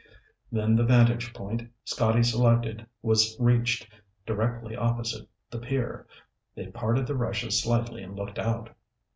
Then the vantage point Scotty selected was reached, directly opposite the pier. They parted the rushes slightly and looked out.